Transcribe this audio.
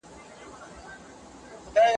موږ وخت نه ساتو.